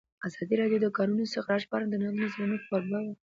ازادي راډیو د د کانونو استخراج په اړه د نقدي نظرونو کوربه وه.